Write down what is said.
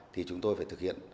thì chúng tôi phải thực hiện